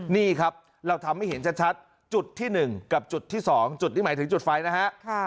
นี่ครับเราทำให้เห็นชัดจุดที่๑กับจุดที่๒จุดที่หมายถึงจุดไฟนะฮะ